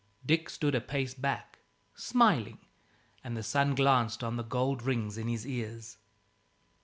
Dick stood a pace back, smiling; and the sun glanced on the gold rings in his ears.